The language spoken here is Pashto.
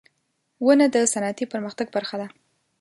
• ونه د صنعتي پرمختګ برخه ده.